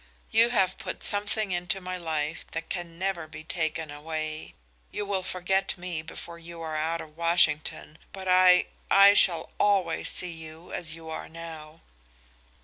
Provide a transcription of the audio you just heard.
"You have put something into my life that can never be taken away. You will forget me before you are out of Washington, but I I shall always see you as you are now."